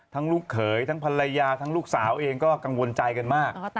ลูกเขยทั้งภรรยาทั้งลูกสาวเองก็กังวลใจกันมาก